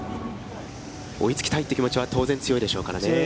追いつきたいという気持ちは当然強いでしょうからね。